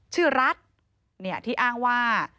ชื่อรัฐที่อ้างว่า